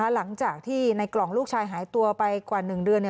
หลังจากที่ในกล่องลูกชายหายตัวไปกว่า๑เดือน